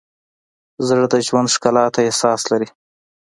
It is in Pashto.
زړه د ژوند ښکلا ته احساس لري.